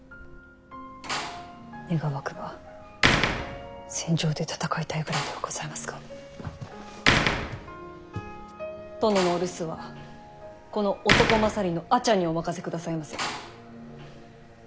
願わくは戦場で戦いたいぐらいではございますが殿のお留守はこの男勝りの阿茶にお任せくださいませ。